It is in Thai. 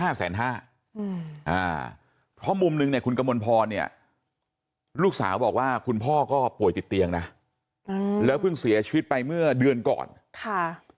เพราะมุมหนึ่งในคุณกระมวลพรเนี่ยลูกสาวบอกว่าคุณพ่อก็ป่วยติดเตียงนะแล้วเพิ่งเสียชีวิตไปเมื่อเดือนก่อนค่ะ